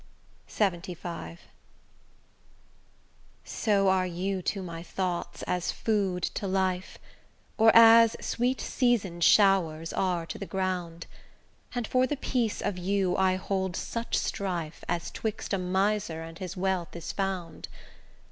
LXXV So are you to my thoughts as food to life, Or as sweet season'd showers are to the ground; And for the peace of you I hold such strife As 'twixt a miser and his wealth is found.